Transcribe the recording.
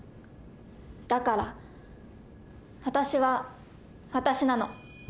だから私は私なの。